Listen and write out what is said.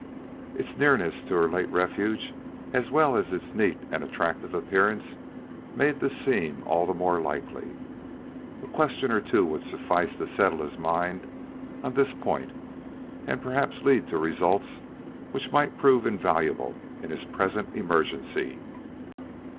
Its nearness to her late refuge, as well as its neat and attractive appearance, made this seem all the more likely. A question or two would suffice to settle his mind on this point and perhaps lead to results which might prove invaluable in his present emergency.